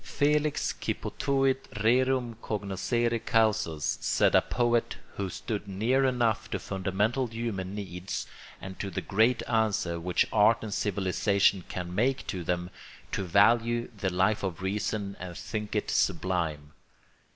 Felix qui potuit rerum cognoscere causas, said a poet who stood near enough to fundamental human needs and to the great answer which art and civilisation can make to them, to value the Life of Reason and think it sublime.